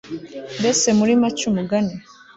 mbese muri make umugani